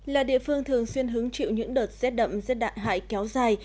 là địa phương thường xuyên hứng chịu những đợt rét đậm rét đạn hại hại kéo dài